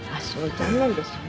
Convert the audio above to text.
残念ですよね。